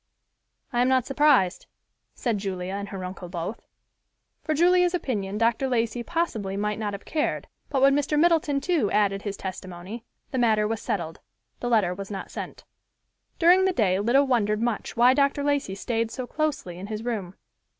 "I am not surprised," said Julia and her uncle both. For Julia's opinion Dr. Lacey possibly might not have cared, but when Mr. Middleton too added his testimony, the matter was settled. The letter was not sent. During the day Lida wondered much why Dr. Lacey stayed so closely in his room.